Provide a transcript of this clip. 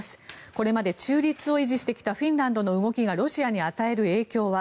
これまで中立を維持してきたフィンランドの動きがロシアに与える影響は。